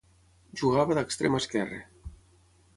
Jugava d'extrem esquerre.